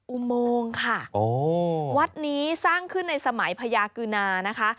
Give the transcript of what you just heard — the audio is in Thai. อุโมงค่ะวัดนี้สร้างขึ้นในสมัยพญากุณานะคะ